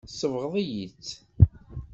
Tsebɣeḍ-iyi-tt.